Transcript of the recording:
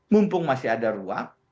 mumpung masih ada ruang